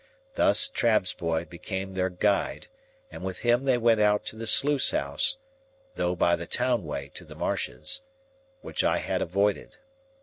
Thus Trabb's boy became their guide, and with him they went out to the sluice house, though by the town way to the marshes, which I had avoided.